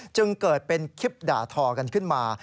จึงเกิดเป็นคลิปด่าทอกันขึ้นมา